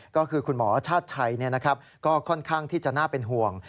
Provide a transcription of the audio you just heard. ก็คือคุณหมอชาติชัยก็ค่อนข้างที่จะน่าเป็นห่วง